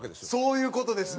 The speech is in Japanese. そういう事ですね。